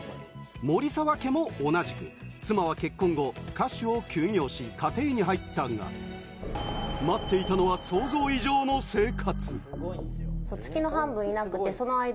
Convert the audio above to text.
守澤家も同じく、妻は結婚後、歌手を休業し家庭に入ったが、待っていたのは想像以上の生活。